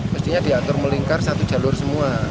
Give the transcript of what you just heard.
mestinya diatur melingkar satu jalur semua